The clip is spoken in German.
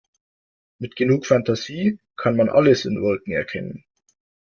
Mit genug Fantasie kann man alles in Wolken erkennen.